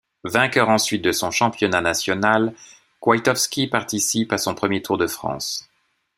Vainqueur ensuite de son championnat national, Kwiatkowski participe à son premier Tour de France.